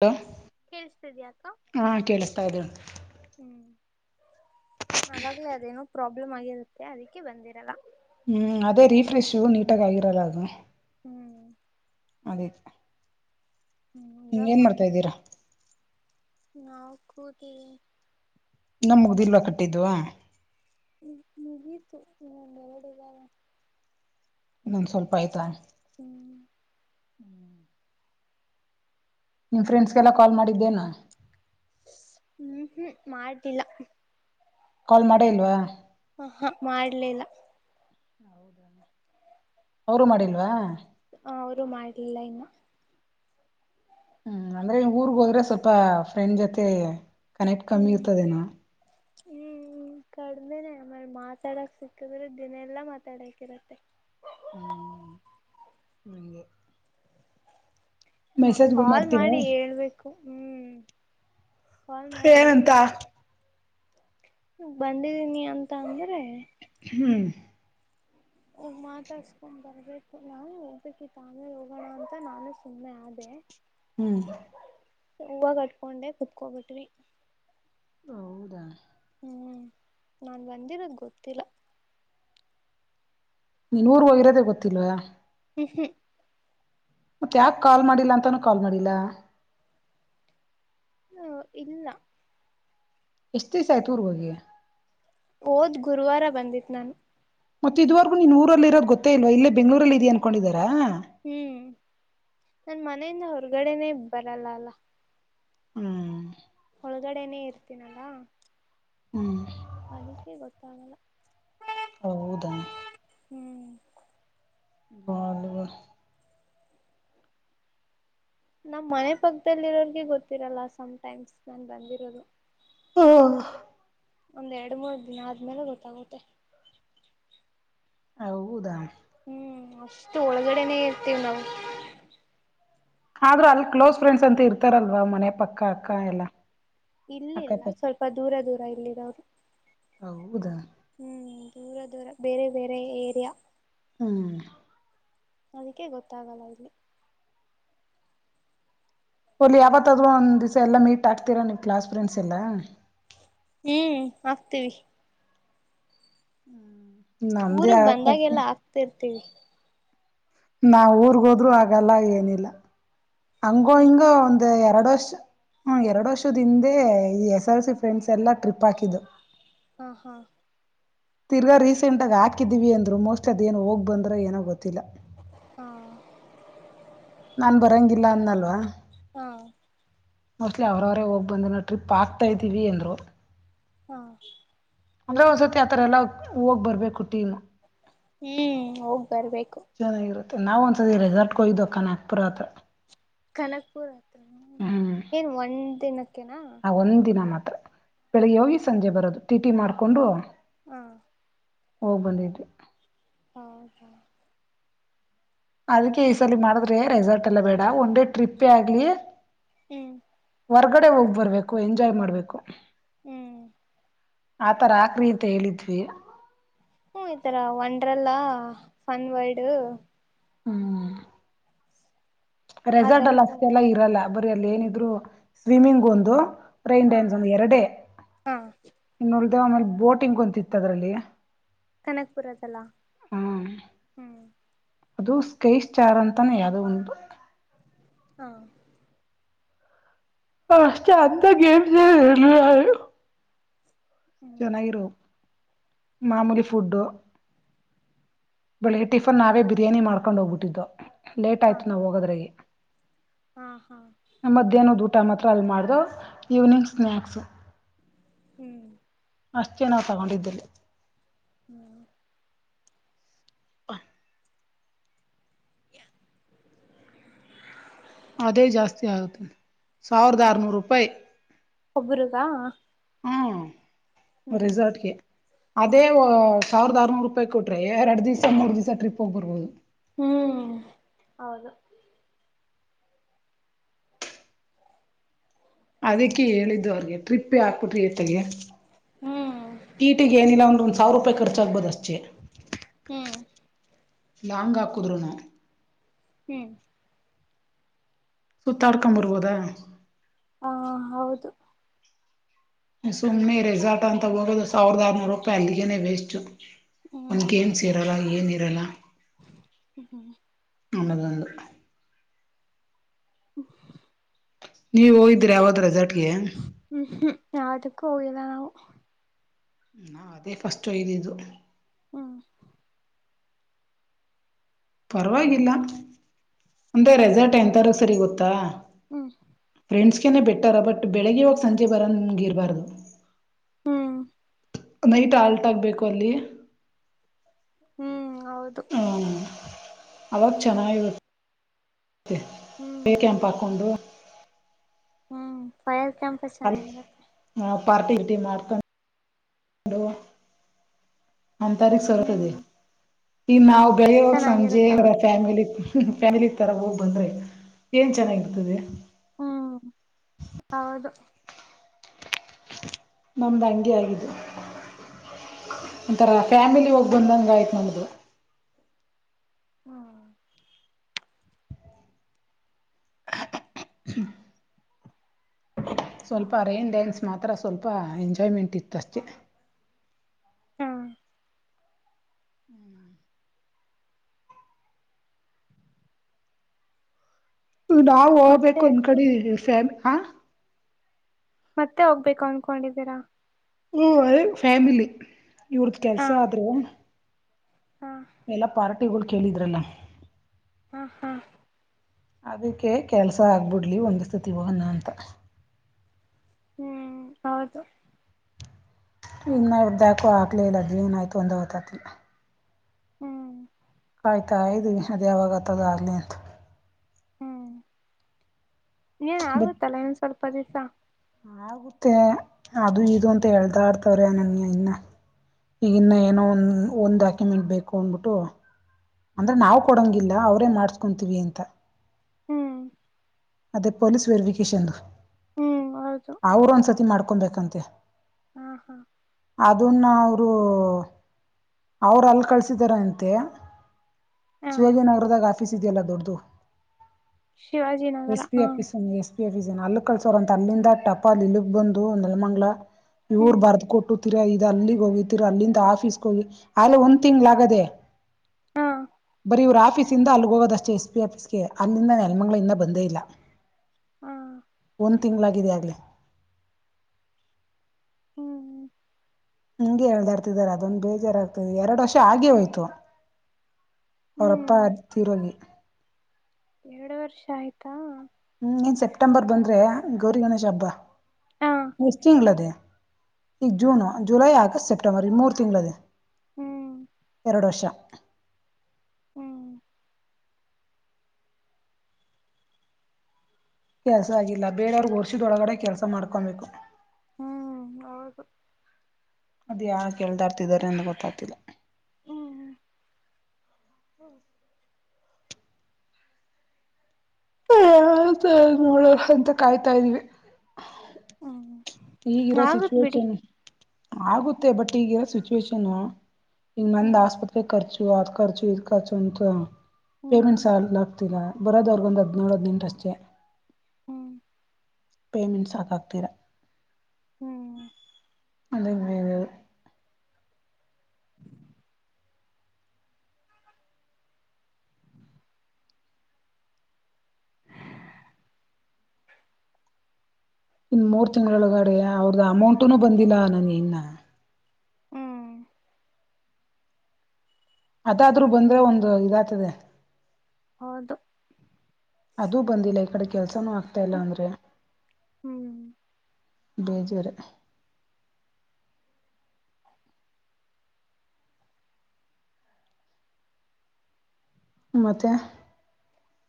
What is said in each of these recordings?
Hello ಕೇಳಿಸ್ತಿದ್ಯಾ ಅಕ್ಕ ಹಾ ಕೇಳಿಸ್ತಾ ಇದ್ದ ಹೇಳು. ಅವಾಗ್ಲೇ ಅದೇನು. ಪ್ರಾಬ್ಲಮ್ ಆಗಿರುತ್ತೆ ಅದಕ್ಕೆ ಬಂದಿರಲ್ಲ. ಹ್ಮ್ ಅದೇ ರೀಫ್ರೆಶು ನೀಟಾಗಿ ಆಗಿರಲ್ಲ ಅದು. ಹ್ಮ್ ಅದೇ. ಹ್ಮ್ ಇವಾಗ ಏನ್ ಮಾ ಮಾಡ್ತಾ ಇದ್ದೀರಾ? ನಾವು ಕೂತಿದೀವಿ. ಇನ್ನ ಮುಗಿದಿಲ್ವ ಕಟ್ಟಿದ್ದು. ಹ್ಮ ಮುಗಿತು ಇನ್ನೊಂದೆರಡಿದಾವೆ. ಇನ್ನೊಂದ್ ಸ್ವಲ್ಪ ಐಯ್ತಾ. ಹ್ಮ್ ಹ್ಮ್ ನಿಮ್ ಫ್ರೆಂಡ್ಸ್ಗೆಲ್ಲಾ ಕಾಲ್ ಮಾಡಿದ್ದೇನು? ಹ್ಮ್ ಹ್ಮ್ ಮಾಡ್ಲಿಲ್ಲ. ಕಾಲ್ ಮಾಡೇ ಇಲ್ವಾ? ಹ ಹಾ ಮಾಡ್ಲಿಲ್ಲ. ಅವರು ಮಾಡಿಲ್ವಾ? ಹ ಅವ್ರು ಮಾಡ್ಲಿಲ್ಲ ಇನ್ನ. ಹ್ಮ್ ಅಂದ್ರೆ ನೀ ಊರ್ಗ್ ಹೋದ್ರೆ ಸ್ವಲ್ಪ ಫ್ರೆಂಡ್ ಜೊತೆ ಕನೆಕ್ಟ್ ಕಮ್ಮಿ ಹ್ಮ್ ಇರ್ತದೆನೊ? ಹ್ಮ್ ಕಡ್ಮೆನೇ ಆಮೇಲ್ ಮಾತಾಡಕ್ ಸಿಕ್ಕಿದ್ರೆ ದಿನ ಎಲ್ಲಾ ಮಾತಾಡಕ್ ಇರತ್ತೆ. ಹ್ಮ್ ಹಂಗೆ. ಮ ಮೆಸೇಜ್ಗಳು ಕಾಲ್ ಮಾಡ್ತೀರಾ ಮಾಡಿ ಹೇಳ್ಬೇಕು ಹ್ಮ್. ಕಾಲ್ ಮಾಡಿ ಏನಂತ ಹೇಳ್ಬೇಕು. ಬಂದಿದೀನಿ ಅಂತ ಅಂದ್ರೆ ಹ್ಮ್ ಹೋಗ್ ಮಾತಾಡ್ಸ್ಕೊಂಡ್ ಬರ್ಬೇಕು ನಾನು ಹೋಗ್ಬೇಕಿತ್ ಆಮೇಲ್ ಹೋಗೋಣ ಅಂತ ನಾನು ಸುಮ್ನೆ ಆದೆ. ಹ್ಮ್ ಹೂವ ಕಟ್ಕೊಂಡೆ ಕುತ್ಕೊಬಿಟ್ವಿ. ಹೌದಾ? ಹ್ಮ್ ನಾನ್ ಬಂದಿರೋದ್ ಗೊತ್ತಿಲ್ಲ. ನೀನೂರ್ಗ್ ಹೋಗಿರೋದೇ ಗೊತ್ತಿಲ್ವಾ? ಹ್ಮ್ ಹ್ಮ ಮತ್ತ್ಯಾಕ್ ಕಾಲ್ ಮಾಡಿಲ್ಲ ಅಂತಾನೂ ಕಾಲ್ ಮಾಡಿಲ್ಲ. ಹ್ಮ ಇಲ್ಲ. ಎಷ್ಟ್ ದಿವ್ಸ ಆಯ್ತು ಊರ್ಗ್ ಹೋಗಿ? ಹೋದ್ ಗುರುವಾರ ಬಂದಿದ್ ನಾನು. ಮತ್ತ್ ಇದುವರೆಗೂ ನೀನ್ ಊರಲ್ಲಿರೋದ್ ಗೊತ್ತೇ ಇಲ್ವ ಇಲ್ಲೇ ಬೆಂಗಳೂರಲ್ಲಿದಿಯ ಅನ್ಕೊಂಡಿದಿದಾರ್ ಹ್ಮ್ ನಾನ್ ಮನೆಯಿಂದ ಹೊರಗಡೆನೇ ಬರಲ್ಲ ಅಲ್ಲ. ಹ್ಮ್ ಒಳಗಡೆನೆೇ ಇರ್ತೀನಲ್ಲ. ಹ್ಮ್ ಅದಕ್ಕೆೇ ಗೊತ್ತಾಗಲ್ಲ. ಹೌದಾ. ಹ್ಮ್ ಹೋಗ್ಲಿ ಬಿಡು. ನಮ್ಮ್ ಮನೆ ಪಕ್ಕದಲ್ಲಿರೋರ್ರಿಗೆ ಗೊತ್ತಿರಲ್ಲ ಸಮ್ಟೈಮ್ಸ್ ನನ್ ಬಂದಿರೋದು. ಹಾ. ಒಂದ್ ಎರಡು ಮೂರ್ ದಿನ ಆದ್ಮೇಲೆ ಗೊತ್ತಾಗುತ್ತೆ. ಹೌದಾ. ಹ್ಮ್ ಅಷ್ಟು ಒಳಗಡೆನೆೇ ಇರ್ತೀವಿ್ ನಾವು. ಆದ್ರೂ ಅಲ್ಲಿ ಕ್ಲೋಸ್ ಫ್ರೆಂಡ್ಸ್ ಅಂತ ಇರ್ತಾರಲ್ವಾ ಮನೆ ಪಕ್ಕ ಅಕ್ಕ ಎಲ್ಲಾ. ಇಲ್ಲಿಲ್ಲ ಸ್ವಲ್ಪ ದೂರ ದೂರ. ರಲಿಡ. [inaudible] ಹೌದಾ. ದೂರ ದೂರ ಬೇರೆ ಬೇರೆ ಏರಿಯಾ. ಹ್ಮ್. ಅದಕ್ಕೆ ಗೊತ್ತಾಗಲ್ಲ ಇಲ್ಲಿ. ಮೊದಲು ಯಾವತ್ತಾದರೂ ಒಂದ್ ದಿವಸ ಎಲ್ಲಾ ಮೀಟ್ ಆಗ್ತೀರಾ ನೀವು ಕ್ಲಾಸ್ ಫ್ರೆಂಡ್ಸ್ ಎಲ್ಲಾ. ಹೂ ಆಗ್ತಿವಿ. ಹ್ಮ್. ನಮ್ದೇ ಆಕ. ಆಗ್ತಿವಿ. ನಾವು ಊರಿಗೆ ಹೋದ್ರು ಆಗಲ್ಲ ಏನಿಲ್ಲ. ಹಂಗೋ ಹ್ಮ್ ಹಿಂಗೂ ಒಂದು ಎರಡು ವರ್ಷ. ಹ್ಮ ಎರಡು ವರ್ಷದ ಹಿಂದೆ ಈ ಎಸ್ ಎಲ್ ಸಿ ಫ್ರೆಂಡ್ಸ್ ಎಲ್ಲಾ ಟ್ರಿಪ್ ಹಾಕಿದರು. ಹಾ ಹಾ. ತಿರ್ಗ ರೀಸೆಂಟ್ ಆಗ ಹಾಕಿದೀವಿ ಅಂದ್ರು ಮೋಸ್ಟ್ ಅದ ಏನ್ ಹೋಗ್ ಬಂದ್ರ ಏನೊ ಗೊತ್ತ. ಹಾ ನನ್ ಬರಂಗಿಲ್ಲ. ಅಲ್ವಾ. ಹಾ. ಮೋಸ್ಟ್ಲಿ ಅವ್ರವರೇ ಹೋಗ್ ಬಂದ ನ ಟ್ರಿಪ್ ಆಗ್ತಾ ಇದ್ದೀವಿ ಅಂದ್ರು. ಹಾ. ಅಂದ್ರೆ ಒಂದ್ಸತಿ ಆತರ ಎಲ್ಲಾ ಹೋಗ್ ಬರ್ಬೇಕ ಟೀಮ್. ಹ್ಮ್ ಹೋಗ್ ಬರ್ಬೇಕು. ಚೆನ್ನಾಗಿರುತ್ತೆ ನಾವ್ ಒಂದ್ಸಲ ರೆಸಾರ್ಟ್ಗೆ ಹೋಗಿದ್ವಿ ಅಕ್ಕ ನಾಗಪುರ ಹತ್ರ. ಕನಪುರ ಹತ್ರ ಹ್ಮ್ ಏನ್ ಒಂದ್ ದಿನಕ್ಕೆನಾ. ಆ ಒಂದ್ ದಿನ ಮಾತ್ರ ಬೆಳಿಗ್ಗೆ ಹೋಗಿ ಸಂಜೆ ಬಂದ್ವಿ. ಟಿಟಿ ಮಾಡಿಕೊಂಡು. ಹಾ. ಹೋಗ್ ಬಂದಿದ್ದೀರಿ. ಹೌ ಹಾ. ಅದಕ್ಕೆ ಈ ಸಲ ಮಾಡಿದ್ರೆ ರೆಸಾರ್ಟ್ ಎಲ್ಲ ಬೇಡ ಒನ್ ಡೇ ಟ್ರಿಪ್ಪೇ ಆಗ್ಲಿ. ಹ್ಮ್ ಹೊರ್ಗಡೆ ಹೋಗ್ ಬರ್ಬೇಕು ಎಂಜಾಯ್ ಮಾಡ್ಬೇಕು. ಹ್ಮ್ ಆತರ ಆಕ್ರೀ ಅಂತ ಹೇಳಿದ್ವಿ. ಹ್ಮ ಈತರ ಒಂಡ್ರಲ್ಲ ಫನ್ ವರ್ಲ್ಡ್. ಹ್ಮ ಆ ರೆಸರ್ಟ್ ತರ ಅಲ್ಲ ಅಷ್ಟೆ ಎಲ್ಲಾ ಹೋಗಿರಿ ಇರಲ್ಲ ಬರ ಅಲ್ಲಿ ಏನಿದ್ರು ಸ್ವಿಮ್ಮಿಂಗ್ ಒಂದು. ರೇನ್ ಹಾ ಡಾನ್ಸ್ ಒಂದ್ ಎರಡೇ ಹಾ ಇನ್ನ. ಆಮೇಲೆ ಬೋಟಿಂಗ್ ಒಂದ್ ಇತ್ತು ಅದರಲ್ಲಿ. ಕನಕ್ಪುರದಲ್ಲ ಹ್ಮ್ ಹ್ಮ್ ಅದು ಸ್ಕೈ ಸ್ಟಾರ್ ಅಂತಾನೆ ಯಾವ್ದೋ ಒಂದು. ಹಾ ಹಾ ಅಷ್ಟೇ ಅಂತ ಗೇಮ್ಸ್ ಏನ್ ಇರ್ಲಿಲ್ಲ ಅಲ್ಲಿ. ಹ್ಮ್ ಚೆನ್ನಾಗಿರು. ಮಾಮೂಲಿ ಫುಡ್ಡು ಬೆಳಿಗ್ಗೆ ಟಿಫನ್ ನಾವೇ ಬಿರಿಯಾನಿ ಮಾಡ್ಕೊಂಡು ಹೋಗ್ಬಿಟ್ಟಿದ್ದು. ಲೇಟ್ ಹಾ ಆಯ್ತು ನಾವು ಹೋಗೋದ್ರಗೆ. ಹಾ ಹಾ ಟಮ್ ಹತ್ರ ಅಲ್ಲಿ ಮಾಡುದು ಈವ್ನಿಂಗ್ ಸ್ನ್ಯಾಕ್ಸು. ಹ್ಮ್ ಅಷ್ಟೆ ನಾವ್ ತಗೊಂಡಿದ್ದಲ್ಲಿ. ಹ್ಮ್ ಪ್ಪ [inaudible] ಅದೇ ಜಾಸ್ತಿ ಆಗುತ್ತೆ. ಸಾವಿರದ ಹ ಆರ್ನೂರು ರೂಪಾಯಿ ಒಬ್ಬ್ರಗಾ ಹ್ಮ. ಹ್ಮ್ ರೆಿಸಾರ್ಟ್ಗೆ ಅದೇ. ಹ್ಮ್ ಸಾವಿರದ ಆರುನೂರು ರೂಪಾಯಿ ಕೊಟ್ರೇ ಎರಡು ದಿವಸ ಮೂರು ದಿವಸ ಟ್ರಿಪ್ ಹೋಗ್ ಬರ್ಬೋದು. ಹ್ಮ್ ಹೌದು. ಅದಕ್ಕೆ ಹೇಳಿದ್ದು ಅವ್ರಿಗೆ ಟ್ರಿಪ್ಪೇ ಹಾಕ್ಬಿಟ್ರಿ ಅತ್ತಗೆ. ಹ್ಮ್ ಟಿ ಟಿಗೆ ಏನಿಲ್ಲ ಅಂದ್ರು ಒಂದ್ ಸಾವಿರ ರೂಪಾಯಿ ಖರ್ಚಾಗ್ಬೋದು ಅಷ್ಟೇ. ಹ್ಮ್ ಲಾಂಗ್ ಹಾಕುದುರುಣು. ಹ್ಮ್ ಸುತ್ತಾಡ್ಕೊಂಬರ್ಬೋದಾ. ಹಾ ಹೌದು ಸುಮನೆ ರೆಸಾರ್ಟ್ ಅಂತ ಹೋಗೋದು ಸಾವಿರದ ಆರ್ನೂರು ರೂಪಾಯಿ ಅಲ್ಲಿಗೇನೆ ವೇಸ್ಟ್. ಒನ್ಗೆ ಏನ್ ಸೇರಲ್ಲ ಏನ್. ಇರಲ್ಲ. ಹ್ಮ ಹ್ಮ್ ನನ್ನದ [unintelligible] ನೀವು ಹೋಗಿದ್ರಿ ಯಾವದ ರೆ [unintelligible] ಯಾವುದುಕ್ಕು ಹೋಗಿಲ್ಲ ನಾವು. ನಾ ಅದೇ ಫಸ್ಟ್ ಹೊಯ್ದಿದ್ದು. ಹ್ಮ ಪರವಾಗಿಲ್ಲ. ಅಂದೆ ಹ್ಮ್ ರೆಸರ್ಟ್ ಎಂತಾರೂ ಸರಿ ಗೊ ತ್ತ ಹ್ಮ್ ಫ್ರೆಂಡ್ಸ್ಗೆನೆ ಬಿಟ್ಟಾರ ಬಟ್ ಬೆಳಗ್ಗೆ ಹೋಗಿ ಸಂಜೆ ಬರ ನಿಮ್ಗೆ ಇರಬಾರ್ದು. ಹ್ಮ್ ನೈಟ್ ಆಲ್ಟ್ ಆಗ್ಬೇಕು ಅಲ್ಲಿ. ಹ್ಮ್ ಹೌದು ಹ ಅವಾಗ ಚೆನ್ನಾಗಿ [unintelligible] ಹ್ಮ್ ಬೇ ಕ್ಯಾಂಪ್ ಹಾಕೊಂಡು. ಹ್ಮ್ ಪಯರ್. ಕೆಂಪ ಅಲ್ಲಿ ಚೆನ್ನಾಗಿರತ್ತೆ. ಪಾರ್ಟಿ ಗಿಟಿ ಮಾಡ್ಕೊಂಡು [unintelligible] ನಮ್ಮ ತರ ಸರಪಿದೆ. ಹ್ಮ್ ಇನ್ನಾವುದು. ಬೆಳೆಯೋಗಿ ಚೆನ್ನಾಗಿರುತ್ತೆ ಸಂಜೆನರ ಹೌದು ಫ್ಯಾಮಿಲಿ [unintelligible] ಫ್ಯಾಮಿಲಿ ತರ ಹೋಗ್ ಬಂದ್ರೆ ಏನ್ ಚೆನ್ನಾಗಿರ್ತದೆ. ಹ್ಮ್ ಹೌದು ನಮ್ದ ಅಂಗೆ ಆಗಿದ್ದು. ಒಂಥರ ಹಾ ಫ್ಯಾಮಿಲಿ ಹೋಗಿ ಬಂದಂಗ ಆಯ್ ಹೌದು ಹ್ಮ್ [inaudible] [inaudible] ಸ್ವಲ್ಪ ರೇನ್ ಡ್ಯಾನ್ಸ್ ಮಾತ್ರ ಸ್ವಲ್ಪ ಎಂಜಾಯ್ಮೆಂಟ್ ಇತ್ತಷ್ಟೇ. ಹಾ ಹ್ಮ್ ನಾನ್ ನಾವು ಹೋಗ್ಬೇಕು ಮತ್ತೆ ಅಕ್ಕ ಅನ್ಕೊಂಡಿದೀವಿ [unintelligible] ಹಾ ಮತ್ತೆ ಹೋಗ್ಬೇಕು ಅನ್ಕೊಂಡಿದ್ದೀರಾ ಹು ಅದೇ ಫ್ಯಾಮಿಲಿ ಇವ್ರದ ಹ ಕೆಲ್ಸ ಆದ್ರು ಹ ಎಲ್ಲಾ ಪಾರ್ ಇವ್ರ್ ಕೇಳಿದ್ರಲ್ಲ ಹಾ ಹಾ ಅದಕ್ಕೆ ಕೆಲಸ ಆಗ್ಬಿಡ್ಲಿ ಒಂದೇ ಸತಿ ಹೋಗಣ ಅಂತ ಹ್ಮ್ ಹೌದು ಇನ್ ಅರ್ಧ ಯಾಕೋ ಅಕ್ಲೆಲಾ ಅದ್ ಏನಾಯ್ತು ಅಂತ ಗೊತ್ತಾಗ್ತಿಲ್ಲ ಹ್ಮ್ ಕಾಯ್ತಾ ಇದ್ವಿ ಅದ್ ಯಾವಾಗ್ ಆತದೋ ಆಗ್ಲಿ ಅಂತ ಇನೆನ್ ಬಟ್ ಆಗುತ್ತಲ್ಲ ಸ್ವಲ್ಪ ದಿಸ ಆಗುತ್ತೆ ಅದು ಇದು ಅಂತ ಹೇಳ್ದಾಡ್ತಾವ್ರೆ ನನ್ಗೆ ಇನ್ನ ಇನ್ನ ಏನೋ ಒ ಒಂದು ಡಾಕ್ಯುಮೆಂಟ್ ಬೇಕು ಅನ್ಬಿಟ್ಟು ಅಂದ್ರೆ ನಾವು ಕೊಡಂಗಿಲ್ಲ ಅವ್ರೇ ಮಾಡಸ್ಕೊಂತೀವಿ ಅಂತ. ಹ್ಮ್ ಅದೇ ಪೊಲೀಸ್ ವೆರಿಫಿಕೇಷನ್ ದು ಹ್ಮ್ ಹೌದು ಅವರು ಒಂದ್ಸತಿ ಮಾಡ್ಕೊಬೇಕಂತೆ ಹಾ ಹಾ ಅದುನ್ನ ಅವ್ ಹೋ ಅವ್ರ್ ಅಲ್ ಕಳಿಸಿದರಂತೆ ಹ ಶಿವಾಜಿನಗರದಾಗ ಆಫೀಸ್ ಇದಿಯಲ ದೊಡ್ಡದು ಶಿವಾಜಿ ನಗರ ಹಾ ಇದೆ ರೀಸನ್ ಆಲೂಕಲ್ಸವರಂತ್ತೆ ಅಲ್ಲಿಂದ. ಟಪ್ಪ ನಿನಿಗ್ ಬಂದು ನೆಲಮಂಗಲ. ಇವ್ರು ಹ್ಮ್ ಬರ್ದ ಕೊಟ್ಟು. ತಿರ್ಗ ಇದು ಅಲ್ಲಿಗೆ ಹೋಗಿ ತಿರ್ಗ ಅಲ್ಲಿಂದ ಆಫೀಸ್ಗೆ ಹೋಗಿ ಆಲೆ ಒಂದ್ ತಿಂಗ್ಳ್ ಆಗದೇ. ಹಾ ಇವ್ರ ಆಫೀಸ್ ಇಂದ ಅಲ್ಲಿಗೆ ಹೋಗೋದಷ್ಟೇ ಎಸ್ ಪಿ ಆಫೀಸ್ಗೆ ಅಲ್ಲಿಂದ ನೆಲ್ಮಂಗ್ಳಿಂದ ಬಂದೇ ಇಲ್ಲ ಹಾ ಒಂದ್ ತಿಂಗಳಾಗಿದೆ ಆಗ್ಲೇ. ಹ್ಮ್ ಇಂಗೆ ಎಳ್ದಾಡ್ತಿದಾರೆ ಅದೊಂದು ಬೇಜಾರಾಗ್ತದೆ ಎರಡು ವರ್ಷ ಆಗೆ ಹೋಯ್ತು. ಅವರ ಅಪ್ಪ ಹ್ಮ್ ಆ ತಿರೋಗಿ. ಎರಡು ವರ್ಷ ಆಯ್ತಾ ಹ್ಮ್ ನೀನ್ ಸೆಪ್ಟೆಂಬರ್ ಬಂದ್ರೆ ಗೌರಿ ಗಣೇಶ ಹಬ್ಬಾ. ಹಾ ಎಷ್ಟ್ ತಿಂಗ್ಗಳದೇ ಈಗ್ ಜೂನು ಜೂಲೈ ಆಗಸ್ಟ್ ಸೆಪ್ಟಂಬರ್ ಈ ಮೂರ್ ತಿಂಗಳು ಅದೆ. ಹ್ಮ್ ಎರಡ್ ವರ್ಷ. ಹ್ಮ್ ಕೆಲ್ಸ ಆಗಿಲ್ಲ ಬೇರೆಯವ್ರಗ್ ವರ್ಷದೊಳಗಡೆ ಕೆಲ್ಸ ಮಾಡ್ಕೊಬೇಕು. ಹ್ಮ್ ಹೌದು. ಅದ್ ಯಾ ಕೇಳ್ದಾಡ್ತಿದಿದ್ದಾರೆ ಅಂತ ಗೊತ್ತಾಗ್ತಿಲ್ಲ. ಹ್ಮ್ ಹ್ಮ್ ಹ ನೋಡ್ ಅಂತ ಕಾಯ್ತಾ ಇದ್ವಿ. ಹ್ಮ ಈಗಿರೋ ಸಿಚುವೇಶನ್. ಆಗುತ್ತೆ ಬಟ್ ಈಗಿರೋ ಸಿಚುವೇಶನ್. ಇ ನಂದ್ ಹ್ಮ್ ಆಸ್ಪತ್ರೆ ಖರ್ಚು ಇದ್ ಅದ್ ಖರ್ಚಿ ಇದು ಖರ್ಚು ಅಂತ ಹ್ಮ್ ಪೇಮೆಂಟ್ಸ್ ಆಲ್ಲ. ಗತ್ತಿಲ್ಲ ಬರೋದ್ ಅವ್ರಿಗೊಂದು ಹದಿನೇಳು ಹದಿನೆಂಟುಷ್ಟೇ. ಹ್ಮ್ ಪೇಮೆಂಟ್ ಸಾಕಾಗ್ತೀಲಾ. ಹ್ಮ್ ಅದೇ ಬೇಜಾರ್ ಇನ್ ಮೂರ್ ತಿಂಗಳೊಳಗಡೆ ಅವ್ರದ ಅಮೌಂಟುನು ಬಂದಿಲ್ಲ ನನ ಇನ್ನ. ಹ್ಮ್ ಅದಾದ್ರೂ ಬಂದ್ರೆ ಒಂದು ಇದ್ತದೆ. ಹೌದು ಅದೂ ಬಂದಿಲ್ಲ ಈ ಕಡೆ ಕೆಲ್ಸನೂ ಆ ಮತ್ತ್ ಇಲ್ಲಾ ಅಂದ್ರೆ. ಹ್ಮ್ ಬೇಜರ್ ರೆ. ಮತ್ತೆ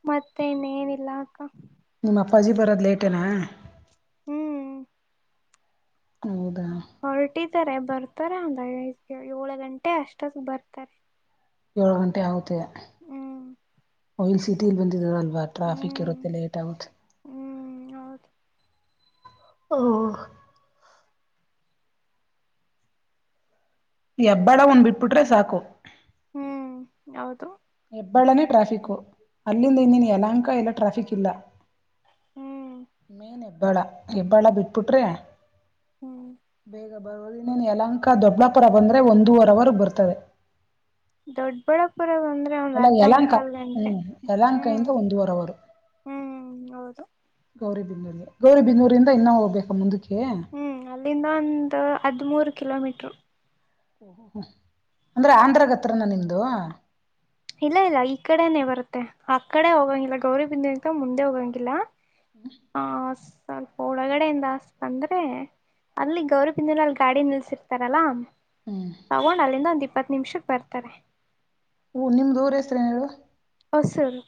ಮತ್ತೆನ್ ನಿಲ್ಲ ಅಕ್ಕ. ನಿಮ್ಮ್ ಅಪ್ಪಾಜಿ ಬರೋದ್ ಲೇಟೇನಾ. ಹ್ಮ್ ಹೌದು ಹೊಲ್ಟಿ ಬತ್ ಬರ್ತಾರ ಒಂದಾಗ ಐ ಏಳು ಗಂಟೆ ಅಷ್ಟದ ಬರ್ತಾರೆ. ಏಳ್ ಗಂಟೆ ಆಗುತ್ತಿದೆ. ಹ್ಮ್ ಆಯಿಲ್ ಸಿಟಿಲ್ಲಿ ಬಂದಿದ್ದ ಅಲ್ಲ. ಟ್ರಾಫಿಕ್ ಹ್ಮ್ ಇರುತ್ತೆ ಲೇಟ್ ಆಗುತೆ. ಹ್ಮ್ ಹೌದು ಹ ಯಬ್ಬಾಳ ಒಂದ್ ಬಿಟ್ಬಿಟ್ರೆ ಸಾಕು. ಹ್ಮ್ ಹೌದು. ಹೆಬ್ಬಾಳ್ಳನೇ ಟ್ರಾಫಿಕು ಅಲ್ಲಿಂದ ಇನ್ನೇನು ಯಲಂಕ ಎಲ್ಲ ಟ್ರಾಫಿಕ್ ಇಲ್ಲ. ಹ್ಮ್ ಮೇನ್ ಅ ಹೆಬ್ಬಳ ಹೆಬ್ಬಾಳ ಬಿಟ್ಬಿಟ್ರೆ. ಹ್ಮ್ ಬರೋದೇನೆ ಯಲಂಕಾ ದೊಬ್ಲಾಪುರ ಬಂದರೆೆ ಒಂದೂವರವರು ಬರ್ತದೆ. ದೊಡ್ಡ ಬಳ್ಳಾಪು ಅಲ್ಲ ಯಲಾಂಕ ಹ್ಮ್ ಯಲಹಂಕ ಹ್ಮ್ ಇಂದ ಒಂದುವರವರು. ಹ್ಮ್ ಹೌದು ಗೌರಿಬಿದನ್ನೂರಿಗೆ ಗೌರಿಬನ್ನೂರಿಂದ ಇನ್ನ ಹೋಗ್ಬೇಕು ಮುಂದಕ್ಕೆ. ಹ್ಮ್ ಅಲ್ಲಿಂದ ಒಂದ್ ಅದ್ಮೂರ್ ಕಿಲೋಮೀ ಓಹ ಹ ಅಂದ್ರೆ ಆಂಧ್ರದತ್ರನ ನಿಮ್ದು. ಇಲ್ಲ ಇಲ್ಲ ಈ ಕಡೆನೆೇ ಬರುತ್ತೆ ಆ ಕಡೆ ಹೋಗಂಗಿಲ್ಲ ಗೌರಿಬಿಂದ [unintelligible] ಮುಂದೆ ಹೋಗಂಗಿಲ್ಲ. ಹಾಸ್ ಸ್ವಲ್ಪ ಒಳಗಡೆಯಿಂದಸ್ ಬಂದ್ರೆ ಅಲ್ಲಿ ಗೌರಿಬಿದಲಯನೂರ ಅಲ್ಲಿ ಗಾಡಿ ನಿಲ್ಸಿರ್ತಾರಲ್ಲಾ. ತಗೊಂಡ್ ಅಲ್ಲಿಂದ ಒಂದ್ ಇ ಇಪ್ಪತ್ತು ನಿಮಿಷಕ್ಕೆ ಬರ್ತಾರೆ. ಓ ನಿಮ್ದ ಊರ ಹೆಸರು ಏನ್ ಹೇಳು. ಹೊಸೂರ್.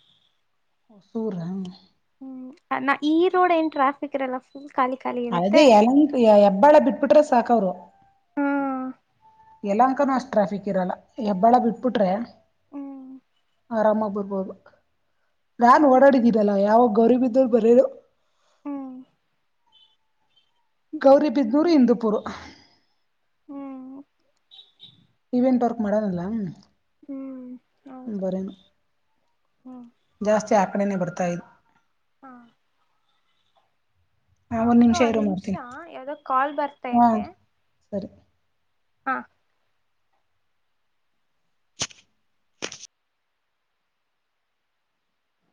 ಹೊಸುರ ಹ. ಹ್ಮ ನ ಈ ರೋಡ್ ಏನ್ ಟ್ರಾಫಿಕ್ ಇರಲ್ಲ ಫುಲ್. ಖಾಲಿ ಖಾಲಿ ಇರತ್ತೆ ಅದೇ ಯಲಂಕ್ ಹೆಬ್ಬಾಳ ಬಿಟ್ಬಿಟ್ರೆ ಸಾಕ ಅವ್ರು. ಹ್ಮ್ ಯಲ್ಲಂಕ ಅಷ್ಟ ಟ್ರಾಫಿಕ್ ಇರಲ್ಲ ಹೆಬ್ಬಾಳ ಬಿಟ್ಬಿಟ್ರೆ. ಹ್ಮ ಆರಾಮಗಿ ಬರ್ಬೋದು. ನಾನ್ ಓಡಾಡಿದನಲ್ಲ ಯಾವಾ ಗೌರಿಬಿದ್ದೂರು ಬರರು. ಹ್ಮ ಗೌರಿಬಿದ್ನೂರು ಇಂದುಪುರು. ಹ್ಮ್ ಇವೆಂಟ್ ವರ್ಕ್ ಮಾಡನಲ್ಲ. ಹ್ಮ್ ಹೌದು ಹ್ಮ್. ಕಡಿನೆ ಬರ್ತಾ ಇದೆ. ಹಾ ಹಾ ಹ ಆಕ್ಕ ಒಂದ್ ಇರು ನಿಮಿಷ ಮಾಡ್ತೀನಿ ಯಾವ್ದೋ ಕಾಲ್ ಹಾ ಬರ್ತೈತೆ. ಸರಿ ಹಾ